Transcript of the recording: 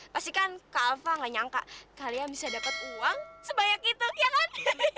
pasti kan kak alva gak nyangka kalian bisa dapat uang sebanyak itu ya kan